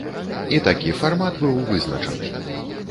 І такі фармат быў вызначаны.